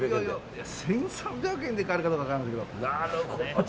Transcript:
１３００円で買えるかどうか分からないですけど。